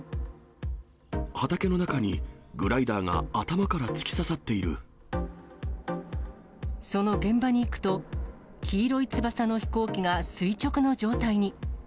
畑の中にグライダーが頭からその現場に行くと、黄色い翼の飛行機が垂直の状態に。